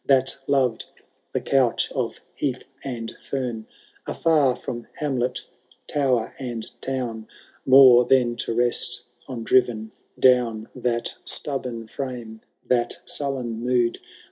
That loved the couch of heath and fern. Afar from hamlet, toWer and town. More than to rest on driven down ; That stubborn frame, that sullen mood.